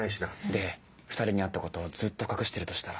で２人に会ったことをずっと隠してるとしたら。